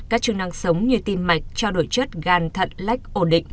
các chức năng sống như tim mạch trao đổi chất gan thận lách ổn định